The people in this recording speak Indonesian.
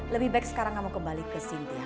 lebih baik sekarang kamu kembali ke sintia